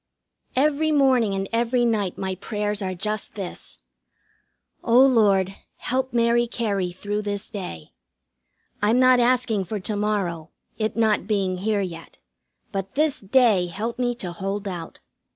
Every morning and every night my prayers are just this: "O Lord, help Mary Cary through this day. I'm not asking for to morrow, it not being here yet. But This Day help me to hold out."